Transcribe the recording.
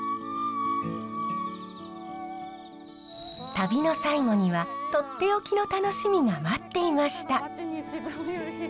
旅の最後にはとっておきの楽しみが待っていました。